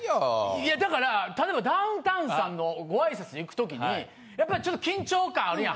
いやだから例えばダウンタウンさんのご挨拶行くときにやっぱりちょっと緊張感あるやん。